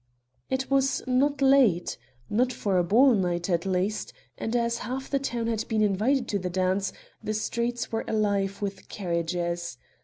It was not late not for a ball night, at least and as half the town had been invited to the dance, the streets were alive with carriages.